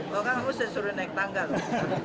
mungkin kamu saya suruh naik tangga lho